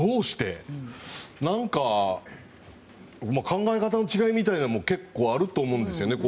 考え方の違いみたいなものも結構あると思うんですよね。